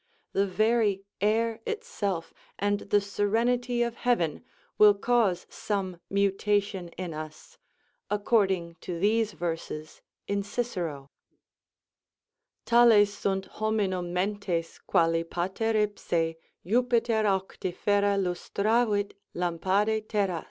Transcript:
The very air itself, and the serenity of heaven, will cause some mutation in us, according to these verses in Cicero: Tales sunt hominnm mentes, quali pater ipse Jupiter auctiferâ lustravit lampade terras.